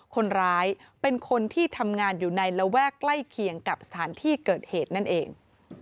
คนร้ายเป็นคนที่ทำงานอยู่ในระแวกใกล้เคียงกับสถานที่เกิดเหตุนั่นเอง